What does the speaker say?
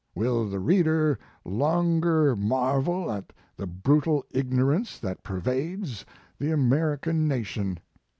Will the reader longer marvel at the brutal ignorance that pervades the Amer ican nation.